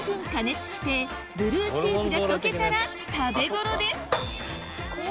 ブルーチーズが溶けたら食べごろです